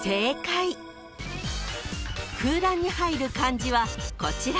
［空欄に入る漢字はこちら］